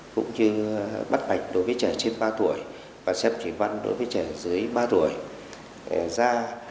cũng như bắt bạch đối với trẻ trên ba tuổi và xếp thủy văn đối với trẻ dưới ba tuổi da